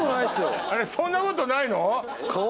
そんなことないの？